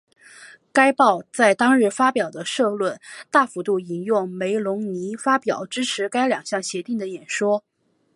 该报在当日发表的社论大幅度引用梅隆尼发表支持该两项协定的演说。